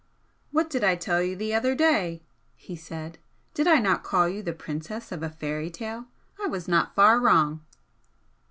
"What did I tell you the other day?" he said "Did I not call you the princess of a fairy tale? I was not far wrong!"